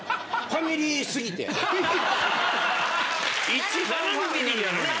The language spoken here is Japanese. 一番ファミリーやのに。